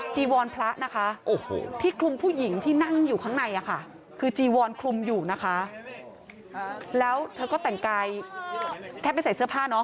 จีวรพระนะคะที่คลุมผู้หญิงที่นั่งอยู่ข้างในค่ะคือจีวอนคลุมอยู่นะคะแล้วเธอก็แต่งกายแทบไม่ใส่เสื้อผ้าน้อง